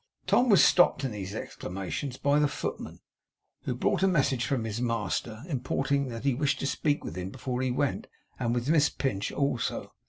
Tom was stopped in these exclamations by the footman, who brought a message from his master, importing that he wished to speak with him before he went, and with Miss Pinch also.